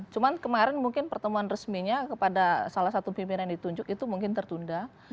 cuma kemarin mungkin pertemuan resminya kepada salah satu pimpinan yang ditunjuk itu mungkin tertunda